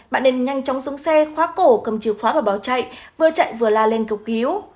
bạn nên nhanh chóng xuống xe khóa cổ cầm chìa khóa và bỏ chạy vừa chạy vừa la lên cầu cứu